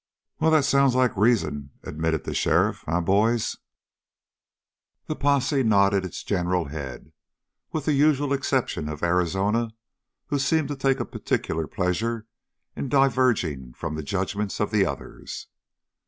"Well, that sounds like reason," admitted the sheriff. "Eh, boys?" The posse nodded its general head, with the usual exception of Arizona, who seemed to take a particular pleasure in diverging from the judgments of the others.